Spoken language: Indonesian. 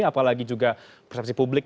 apalagi juga persepsi publik